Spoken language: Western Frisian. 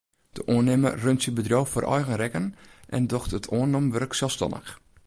De oannimmer runt syn bedriuw foar eigen rekken en docht it oannommen wurk selsstannich.